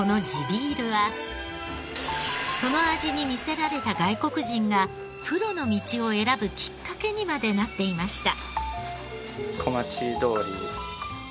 ビールはその味に魅せられた外国人がプロの道を選ぶきっかけにまでなっていました。